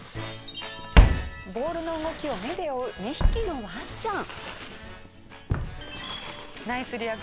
ボールの動きを目で追う２匹のワンちゃん。